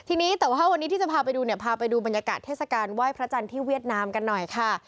ทีนี้แต่ว่าวันนี้ที่จะพาไปดูเนี่ยพาไปดูบรรยากาศเทศกาลไหว้พระจันทร์ที่เวียดนามกันหน่อยค่ะ